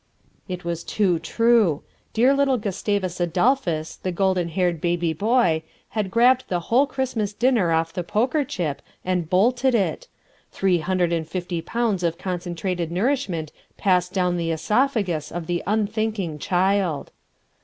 It was too true. Dear little Gustavus Adolphus, the golden haired baby boy, had grabbed the whole Christmas dinner off the poker chip and bolted it. Three hundred and fifty pounds of concentrated nourishment passed down the oesophagus of the unthinking child.